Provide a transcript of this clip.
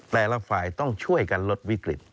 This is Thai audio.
แต่ละฝ่ายต้องช่วยกันลดวิกฤต